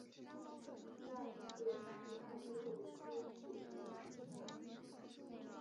第二十届十大中文金曲得奖名单